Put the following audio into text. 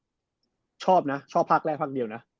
เออชอบนะชอบภาคแรกภาคเดียวนะ